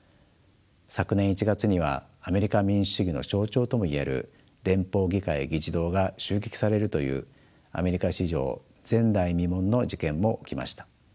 昨年１月にはアメリカ民主主義の象徴とも言える連邦議会議事堂が襲撃されるというアメリカ史上前代未聞の事件も起きました。